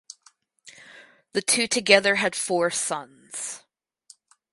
The two together had four sons.